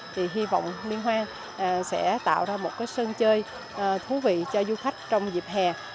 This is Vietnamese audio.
thì hy vọng liên quan sẽ tạo ra một sân chơi thú vị cho du khách trong dịp hè